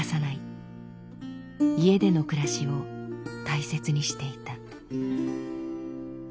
家での暮らしを大切にしていた。